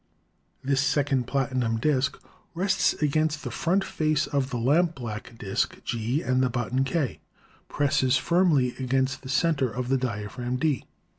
This second platinum disk rests against the front face of the lampblack disk, G, and the button, K, presses firmly against the center of the diaphragm, D.